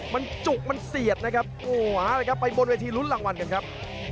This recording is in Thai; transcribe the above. มันจุกมันเสียดนะครับโอ้โหหาเลยครับไปบนเวทีลุ้นรางวัลกันครับ